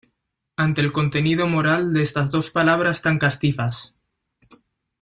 ante el contenido moral de estas dos palabras tan castizas: